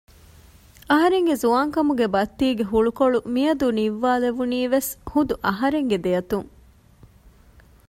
އަހަރެންގެ ޒުވާންކަމުގެ ބައްތީގެ ހުޅުކޮޅު މިއަދު ނިއްވާލެވުނީވެސް ހުދު އަހަރެންގެ ދެއަތުން